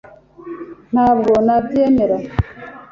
Ntabwo nabyemera .